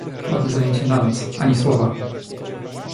— Ładne zajęcie na noc, ani słowa!